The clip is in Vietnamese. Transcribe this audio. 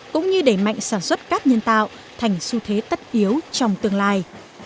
cũng như đẩy mạnh sản xuất cát nhân tạo thành xu thế tất yếu trong tương lai